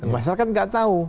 masa kan nggak tahu